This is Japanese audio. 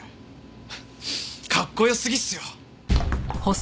かっこよすぎっすよ。